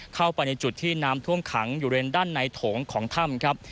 เข้าไปในจุดที่น้ำท่วมขังอยู่เรนด้านในโถงของถ้ำครับ